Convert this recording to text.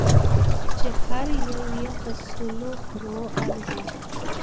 چې هر یو یې په سلو خرو ارزي.